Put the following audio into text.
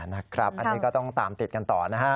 นะครับอันนี้ก็ต้องตามติดกันต่อนะฮะ